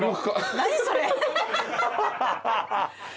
何それ。